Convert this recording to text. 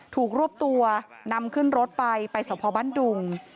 ถูกรวบตัวนำขึ้นรถไปไปสพบ้านดุง